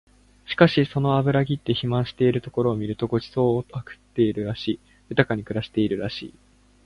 しかしその脂ぎって肥満しているところを見ると御馳走を食ってるらしい、豊かに暮らしているらしい